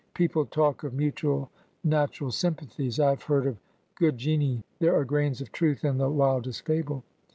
People talk of mutual natural sympathies; I have heard of Good Genii: there are grains of truth in the wildest fable.